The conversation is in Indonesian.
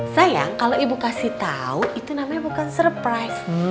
sayang kalo ibu kasih tau itu namanya bukan surprise